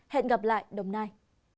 hẹn gặp lại đồng nai